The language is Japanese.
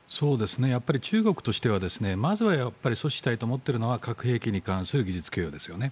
やっぱり中国としてはまずは阻止したいと思っているのは核兵器に関する技術供与ですよね。